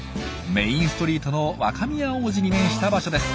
メインストリートの若宮大路に面した場所です。